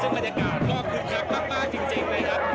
ที่บรรยากาศคือคลักทรักมากจริงเลยครับ